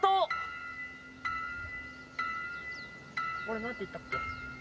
俺何て言ったっけ？